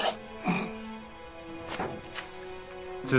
うん。